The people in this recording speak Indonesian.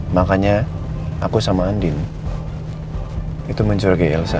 makanya aku sama andin itu mencurigai elsa